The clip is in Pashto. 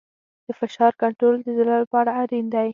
د فشار کنټرول د زړه لپاره اړین دی.